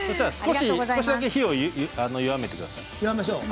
少しだけ火を弱めてください。